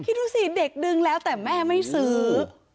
คิดดูสิเด็กดึงแล้วแต่แม่ไม่ซื้อ